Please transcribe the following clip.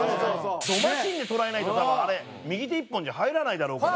ど真芯で捉えないと多分あれ右手一本じゃ入らないだろうから。